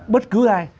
bất cứ ai